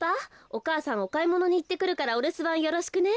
お母さんおかいものにいってくるからおるすばんよろしくね。